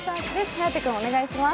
颯君、お願いします。